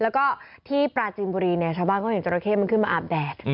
แล้วก็ที่ปลาจีนบุรีชาวบ้านก็เห็นจัตลาแครมันขึ้นมาอาบแดด